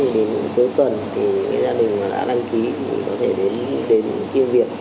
đến cuối tuần thì gia đình mà đã đăng ký thì có thể đến kia việc